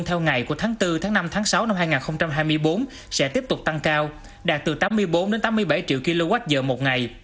theo ngày của tháng bốn năm sáu hai nghìn hai mươi bốn sẽ tiếp tục tăng cao đạt từ tám mươi bốn tám mươi bảy triệu kwh một ngày